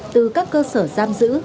từ các cơ sở giam giữ